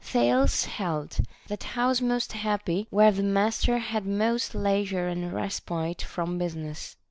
Thales held that house most happy where the master had most leisure and respite from business.